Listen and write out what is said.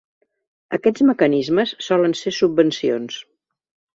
Aquests mecanismes solen ser subvencions.